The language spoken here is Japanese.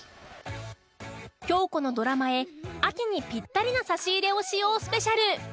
京子のドラマへ秋にぴったりな差し入れをしようスペシャル